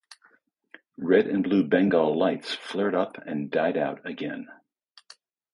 Red and blue Bengal lights flared up and died out again.